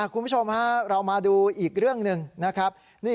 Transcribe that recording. คุณผู้ชมฮะเรามาดูอีกเรื่องหนึ่งนะครับ